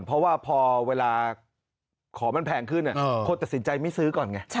เพราะว่าพอเวลาของมันแพงขึ้นคนตัดสินใจไม่ซื้อก่อนไง